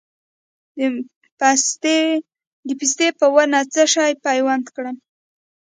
د پستې په ونه څه شی پیوند کړم؟